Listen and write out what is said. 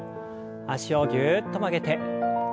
脚をぎゅっと曲げて。